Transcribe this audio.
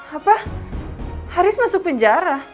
apa haris masuk penjara